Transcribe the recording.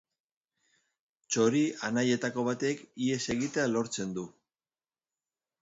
Txori Anaietako batek ihes egitea lortzen du.